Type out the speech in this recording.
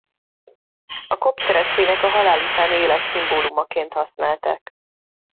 A kopt keresztények a halál utáni élet szimbólumaként használták.